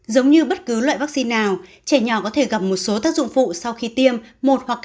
giống như bất cứ loại vaccine nào trẻ nhỏ có thể gặp một số tác dụng phụ sau khi tiêm một hoặc